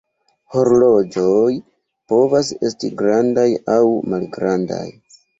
Horloĝoj povas esti grandaj aŭ malgrandaj.